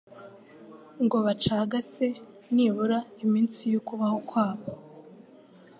ngo bacagase nibura iminsi y’ukubaho kwabo